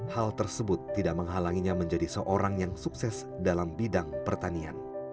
hal tersebut tidak menghalanginya menjadi seorang yang sukses dalam bidang pertanian